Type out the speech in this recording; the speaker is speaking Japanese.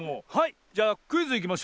じゃあクイズいきましょう。